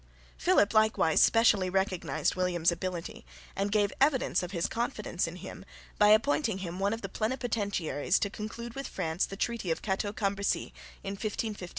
Philip likewise specially recognised William's ability and gave evidence of his confidence in him by appointing him one of the plenipotentiaries to conclude with France the treaty of Cateau Cambresis in 1559.